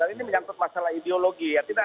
ini menyatukan masalah ideologi